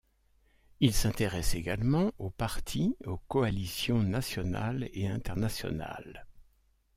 Il s'intéresse également aux partis, aux coalitions nationales et internationales.